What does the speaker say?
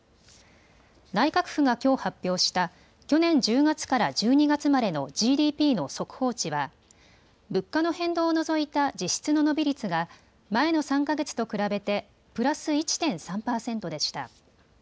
内閣府がきょう発表した去年１０月から１２月までのＧＤＰの速報値は物価の変動を除いた実質の伸び率が前の３か月と比べてプラス１．３％でした。